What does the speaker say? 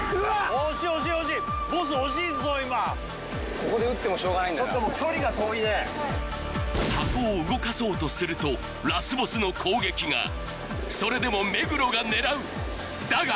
惜しい惜しい惜しいここで撃ってもしょうがないんだ距離が遠いね箱を動かそうとするとラスボスの攻撃がそれでも目黒が狙うだが！